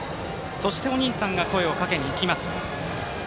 そして、お兄さんが声をかけにいきます。